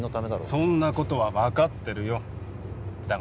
そんなことは分かってるよだが